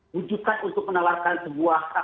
wujudkan untuk menawarkan sebuah